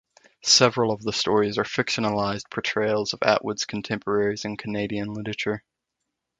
Several of the stories are fictionalized portrayals of Atwood's contemporaries in Canadian literature.